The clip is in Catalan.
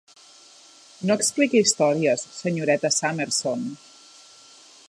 No expliqui històries, senyoreta Summerson.